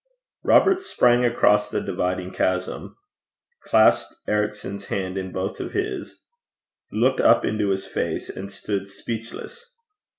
Robert sprang across the dividing chasm, clasped Ericson's hand in both of his, looked up into his face, and stood speechless.